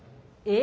え？